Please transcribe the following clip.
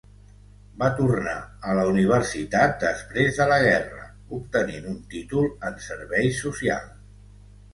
Va tornar a la universitat després de la guerra, obtenint un títol en serveis socials.